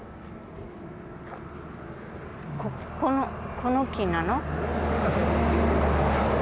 この木なの？